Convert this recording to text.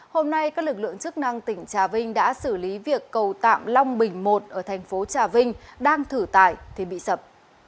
hôm nay các lực lượng chức năng tỉnh trà vinh đã xử lý việc cầu tạm long bình một ở thành phố trà vinh đang thử tải thì bị sập